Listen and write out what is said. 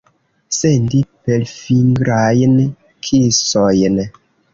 Sendi perfingrajn kisojn.